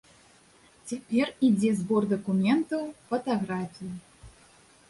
Цяпер ідзе збор дакументаў, фатаграфій.